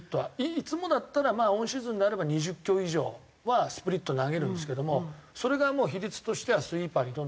いつもだったらまあオンシーズンであれば２０球以上はスプリットを投げるんですけどもそれがもう比率としてはスイーパーにどんどん傾いてきて。